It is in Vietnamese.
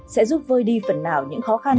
sẽ giúp vơi đi phần nào những khó khăn